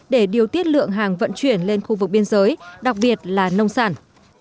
để điều tiết lượng hàng vận chuyển lên khu vực biên giới đặc biệt là nông sản